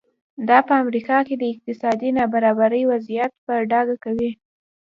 دا په امریکا کې د اقتصادي نابرابرۍ وضعیت په ډاګه کوي.